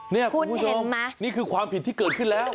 นี่คุณผู้ชมนี่คือความผิดที่เกิดขึ้นแล้ว